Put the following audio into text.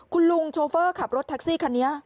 คุณลุงโชเฟอร์ขับรถแท็กซี่คันนี้